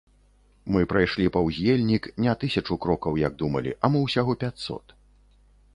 Мы прайшлі паўз ельнік не тысячу крокаў, як думалі, а мо ўсяго пяцьсот.